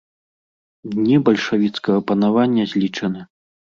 Дні бальшавіцкага панавання злічаны.